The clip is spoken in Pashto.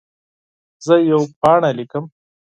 زه یوه پاڼه لیکم.